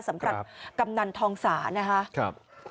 สำคัญกำนันทองสานะคะ